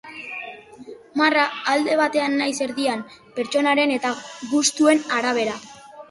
Marra alde batean nahiz erdian, pertsonaren eta gustuen arabera.